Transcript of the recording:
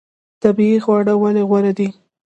طبیعي خواړه ولې غوره دي؟